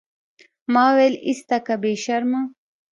ما وويل ايسته که بې شرمه.